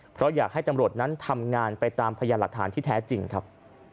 เพราะอยากให้ตำรวจนั้นทำงานไปตามพยานหลักฐานที่แท้จริงครับ